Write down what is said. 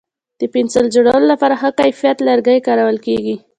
د پنسل جوړولو لپاره ښه کیفیت لرګی کارول کېږي.